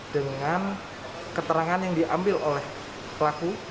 dengan keterangan yang diambil oleh pelaku